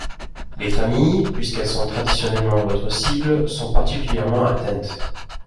Les familles, puisqu’elles sont traditionnellement votre cible, sont particulièrement atteintes.